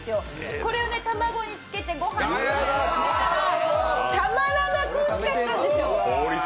これを卵につけてごはんと一緒に食べたらたまらなくおいしかったんですよ。